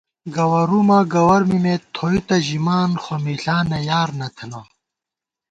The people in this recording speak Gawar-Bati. گوَرُومہ گوَر مِمېت تھوئی تہ ژِمان خو مِݪانہ یار نہ تھنہ